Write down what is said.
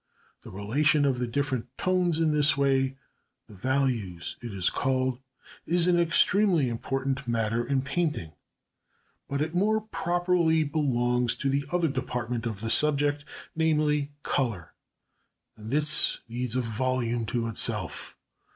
The relation of the different tones in this way the values, as it is called is an extremely important matter in painting. But it more properly belongs to the other department of the subject, namely Colour, and this needs a volume to itself.